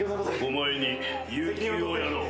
お前に有休をやろう。